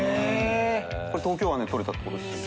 これ東京湾で取れたってことですよね。